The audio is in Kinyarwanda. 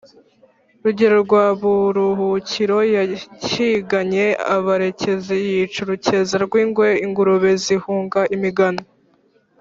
Rugero rwa Buruhukiro yahiganye abarekezi yica urukeza rw’ingwe ingurube zihunga imigano